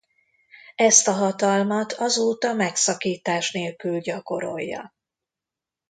Ezt a hatalmat azóta megszakítás nélkül gyakorolja.